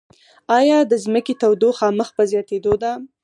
ایا د ځمکې تودوخه مخ په زیاتیدو ده؟